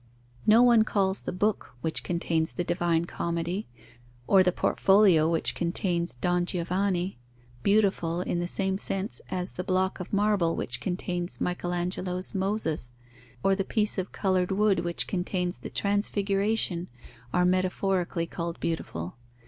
No one calls the book which contains the Divine Comedy, or the portfolio which contains Don Giovanni, beautiful in the same sense as the block of marble which contains Michael Angelo's Moses, or the piece of coloured wood which contains the Transfiguration are metaphorically called beautiful.